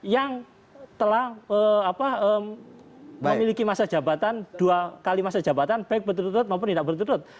yang telah memiliki masa jabatan dua kali masa jabatan baik berturut turut maupun tidak berturut